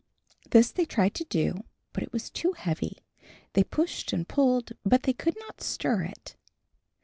This they tried to do, but it was too heavy. They pushed and pulled, but they could not stir it.